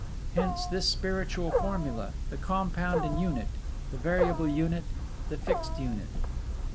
Hence this Spiritual formula: the compound Unit, the variable Unit, the fixed Unit.